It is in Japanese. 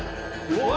うわ！